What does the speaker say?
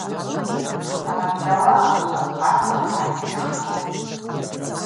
Дъанамдзауа аъамкӏва, архъаква гӏамикъьашун.